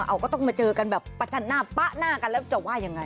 เอาก็ต้องมาเจอกันแบบประจันหน้าป๊ะหน้ากันแล้วจะว่ายังไง